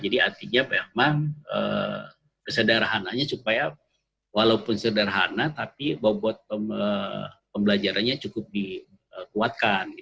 jadi artinya memang kesederhananya supaya walaupun sederhana tapi bobot pembelajarannya cukup dikuatkan